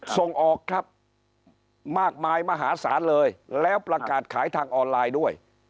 ส่งออกครับมากมายมหาศาลเลยแล้วประกาศขายทางออนไลน์ด้วย